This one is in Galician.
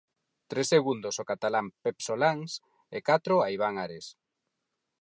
Tres segundos ao catalán Pep Soláns e catro a Iván Ares.